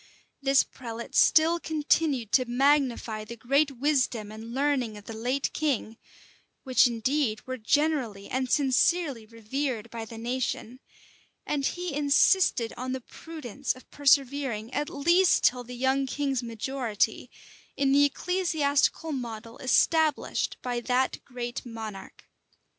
This prelate still continued to magnify the great wisdom and learning of the late king, which, indeed, were generally and sincerely revered by the nation; and he insisted on the prudence, of persevering, at least till the young king's majority, in the ecclesiastical model established by that great monarch.